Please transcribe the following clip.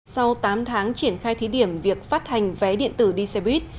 sau tám tháng triển khai thí điểm việc phát hành vé điện tử đi xe buýt